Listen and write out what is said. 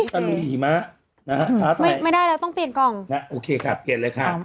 ตะลูยหิมะแล้วต้องเปลี่ยนกล่อง